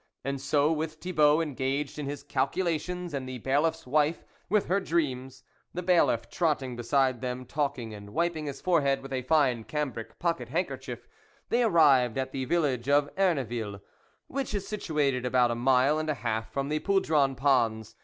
And so with Thibault engaged in his calculations, and the Bailiffs wife with her dreams, the Bailiff trotting beside them talking and wiping his forehead with a fine cambric pocket handkerchief, they arrived at the village of Erneville which is situated about a mile and a hall from the Poudron ponds.